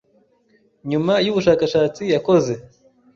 nyuma y’ubushakashatsi yakoze